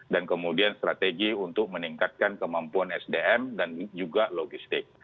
dan kemudian strategi untuk meningkatkan kemampuan sdm dan juga logistik